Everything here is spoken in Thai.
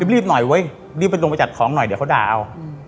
รีบหน่อยเว้ยรีบไปลงไปจัดของหน่อยเดี๋ยวเขาด่าเอา